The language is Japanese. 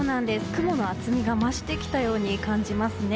雲の厚みが増してきたように感じますね。